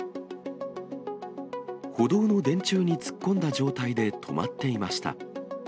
歩道の電柱に突っ込んだ状態で止まっていました。